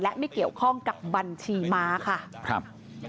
และไม่เกี่ยวข้องกับบัญชีม้าค่ะครับ